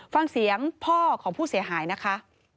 ฟังเสียงพ่อของผู้เสียหายนะคะ